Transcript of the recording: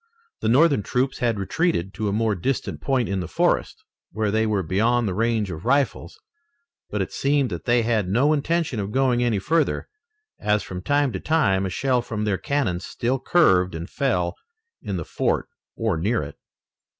The Northern troops had retreated to a more distant point in the forest, where they were beyond the range of rifles, but it seemed that they had no intention of going any further, as from time to time a shell from their cannon still curved and fell in the fort or near it.